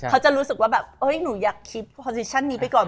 เขาจะรู้สึกว่าแบบหนูอยากคิดคอนซิชั่นนี้ไปก่อน